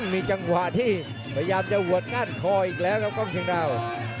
มีจังหวะที่พยายามจะหัวก้านคออีกแล้วครับกล้องเชียงดาว